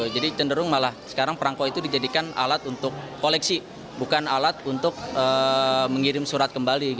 jadi cenderung malah sekarang perangko itu dijadikan alat untuk koleksi bukan alat untuk mengirim surat kembali